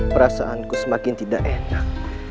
perasaanku semakin tidak enak